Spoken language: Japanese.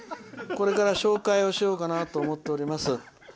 これから紹介をしようかなと思っています。